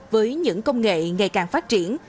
với những công nghệ ngày càng phát triển